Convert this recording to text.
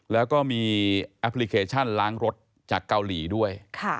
แล้วก็มีแอปพลิเคชันล้างรถจากเกาหลีด้วย